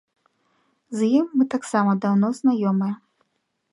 З ім мы таксама даўно знаёмыя.